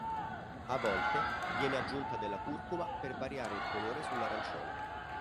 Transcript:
A volte viene aggiunta della curcuma per variare il colore sull'arancione.